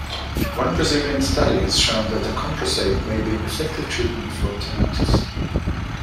One Brazilian study has shown that acamprosate may be an effective treatment for tinnitus.